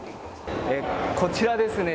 こちらですね